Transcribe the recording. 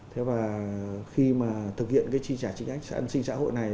thế và khi mà thực hiện chi trả chính sách an sinh xã hội này